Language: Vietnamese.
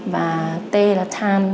và t là time